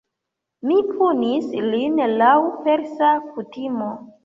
Mi punis lin laŭ Persa kutimo.